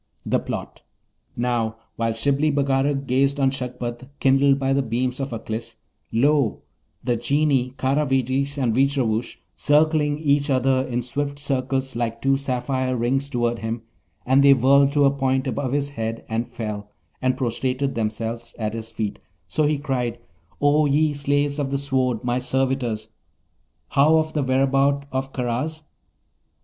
THE PLOT Now, while Shibli Bagarag gazed on Shagpat kindled by the beams of Aklis, lo, the Genii Karavejis and Veejravoosh circling each other in swift circles like two sapphire rings toward him, and they whirled to a point above his head, and fell and prostrated themselves at his feet: so he cried, 'O ye slaves of the Sword, my servitors! how of the whereabout of Karaz?'